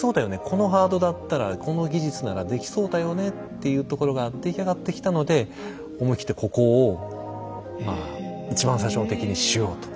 このハードだったらこの技術ならできそうだよねっていうところが出来上がってきたので思い切ってここをまあ一番最初の敵にしようと。